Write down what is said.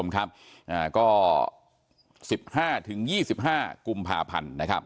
ก็๑๕๒๕กุมภาพันธ์